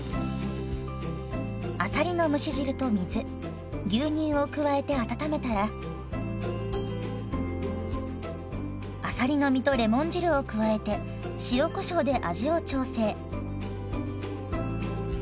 あさりの蒸し汁と水牛乳を加えて温めたらあさりの身とレモン汁を加えて塩こしょうで味を調整。